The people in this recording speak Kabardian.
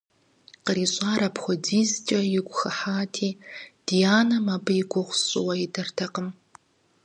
КърищӀар апхуэдизкӀэ и гум хыхьати, дянэм абы и гугъу сщӀыуэ идэртэкъым.